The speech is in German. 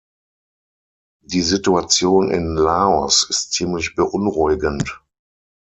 Die Situation in Laos ist ziemlich beunruhigend.